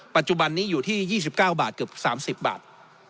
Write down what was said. ปัจจุบันนี้อยู่ที่๒๙บาทเกือบ๓๐บาท